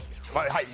はい。